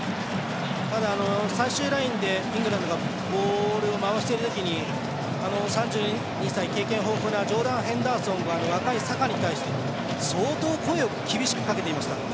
最終ラインでイングランドがボールを回しているときにベテランのジョーダン・ヘンダーソンが若いサカに対して相当、声を厳しくかけていました。